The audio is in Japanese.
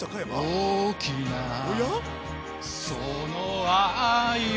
「大きなその愛よ」